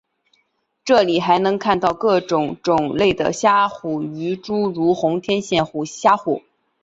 这里还能看到各种种类的虾虎鱼诸如红天线虾虎。